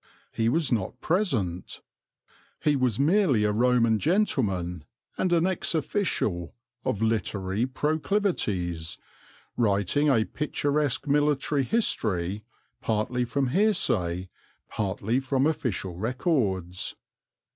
He was not present. He was merely a Roman gentleman and an ex official, of literary proclivities, writing a picturesque military history, partly from hearsay, partly from official records.